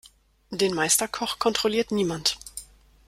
Den Meisterkoch kontrolliert niemand.